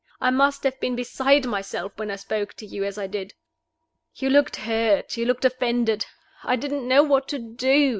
I must have been beside myself when I spoke to you as I did. You looked hurt; you looked offended; I didn't know what to do.